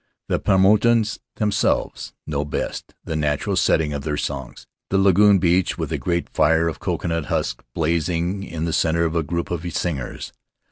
The Paumotuans themselves know best the natural setting for their songs — the lagoon beach with a great fire of coconut husks blazing in the center of the group of singers.